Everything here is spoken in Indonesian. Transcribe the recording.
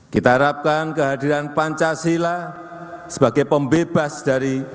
kita harapkan kehadiran pancasila sebagai pembebas dari